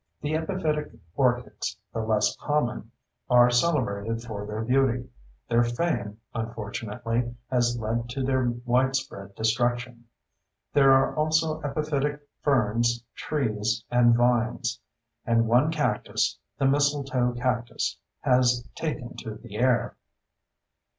The epiphytic orchids, though less common, are celebrated for their beauty; their fame, unfortunately, has led to their widespread destruction. There are also epiphytic ferns, trees, and vines; and one cactus, the mistletoe cactus, has taken to the air.